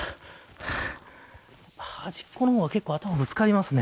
端っこの方は結構頭ぶつかりますね。